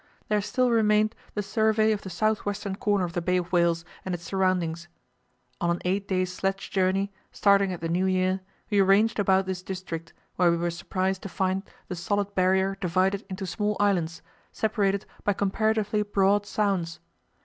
There still remained the survey of the south western corner of the Bay of Whales and its surroundings. On an eight days' sledge journey, starting at the New Year, we ranged about this district, where we were surprised to find the solid Barrier divided into small islands, separated by comparatively broad sounds.